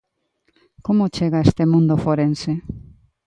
Como chega a este mundo forense?